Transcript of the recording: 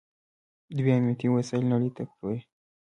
دوی امنیتي وسایل نړۍ ته پلوري.